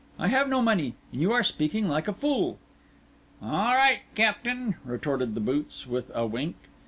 I have no money, and you are speaking like a fool." "All right, captain," retorted the boots with a wink.